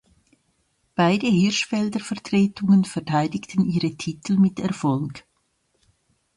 Beide Hirschfelder Vertretungen verteidigten ihre Titel mit Erfolg.